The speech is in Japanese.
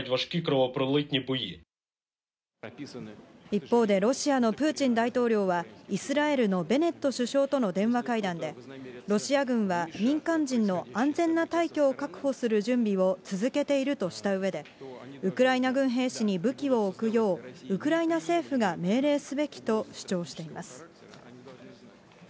一方でロシアのプーチン大統領は、イスラエルのベネット首相との電話会談で、ロシア軍は民間人の安全な退去を確保する準備を続けているとしたうえで、ウクライナ軍兵士に武器を置くよう、ウクライナ政府が命令すべきと主張しています。